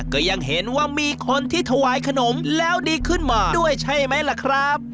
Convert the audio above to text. ก็ยังเห็นว่ามีคนที่ถวายขนมแล้วดีขึ้นมาด้วยใช่ไหมล่ะครับ